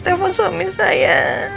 telfon suami saya